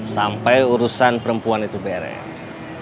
sampai urusan perempuan itu beres